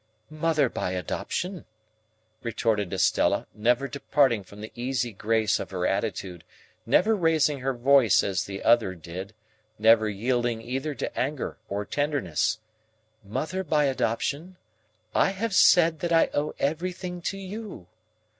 "Mother by adoption," retorted Estella, never departing from the easy grace of her attitude, never raising her voice as the other did, never yielding either to anger or tenderness,—"mother by adoption, I have said that I owe everything to you.